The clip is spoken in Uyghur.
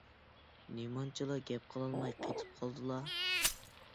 نېمانچىلا گەپ قىلالماي قېتىپ قالدىلا؟